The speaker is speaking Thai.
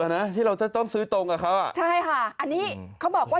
นะที่เราจะต้องซื้อตรงกับเขาอ่ะใช่ค่ะอันนี้เขาบอกว่า